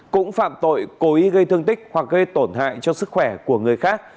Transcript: cũng phạm tội cố ý gây thương tích hoặc gây tổn hại cho sức khỏe của người khác